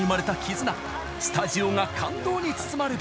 ［スタジオが感動に包まれる］